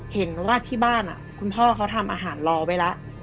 เห็นว่าที่บ้านคุณพ่อเขาทำอาหารรอไว้แล้ว